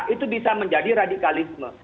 itu bisa menjadi radikalisme